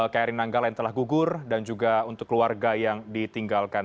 kri nanggala yang telah gugur dan juga untuk keluarga yang ditinggalkan